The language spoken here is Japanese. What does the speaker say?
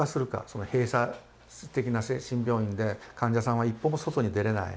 その閉鎖的な精神病院で患者さんは一歩も外に出れない。